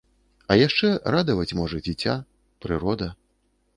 А яшчэ радаваць можа дзіця, прырода.